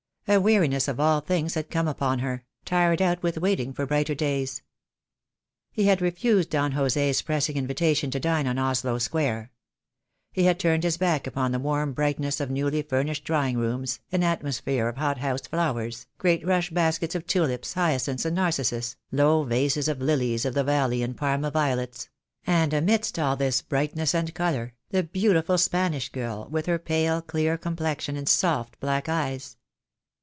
A weariness of all things had come upon her, tired out with waiting for brighter days. He had refused Don Jose's pressing invitation to dine in Onslow Square. He had turned his back upon the warm brightness of newly furnished drawing rooms, an atmosphere of hot house flowers, great rush baskets of tulips, hyacinths and narcissus, low vases of lilies of the THE DAY WILL COME. 2 I 5 valley and Parma violets; and amidst all this brightness and colour the beautiful Spanish girl, with her pale, clear complexion and soft black eyes.